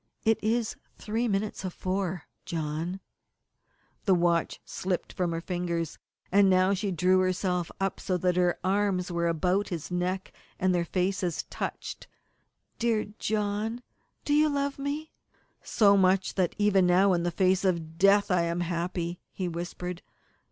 "It is three minutes of four, John." The watch slipped from her fingers, and now she drew herself up so that her arms were about his neck, and their faces touched. "Dear John, you love me?" "So much that even now, in the face of death, I am happy," he whispered.